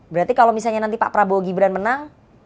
berarti kalau misalnya nanti pak prabowo gibran menang